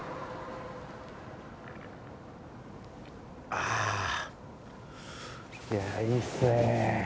あいやいいっすね。